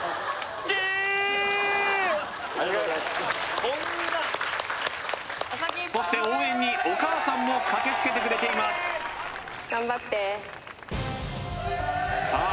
ありがとうございますそして応援にお母さんも駆けつけてくれていますさあ